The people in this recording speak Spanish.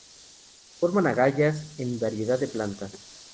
Forman agallas en una variedad de plantas.